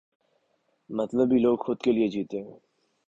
مطلبی لوگ خود کے لئے جیتے ہیں۔